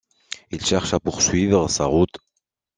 Il cherche à poursuivre sa route.